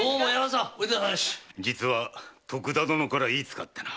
実は徳田殿から言いつかってな。